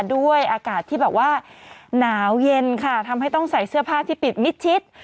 ด้วยอากาศที่แบบว่าหนาวเย็นค่ะทำให้ต้องใส่เสื้อผ้าที่ปิดมิดชิด